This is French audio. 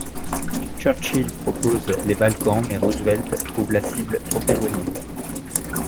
Churchill propose les Balkans mais Roosevelt trouve la cible trop éloignée.